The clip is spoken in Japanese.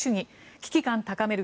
危機感高める